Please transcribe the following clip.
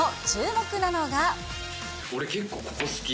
俺、結構、ここ好き。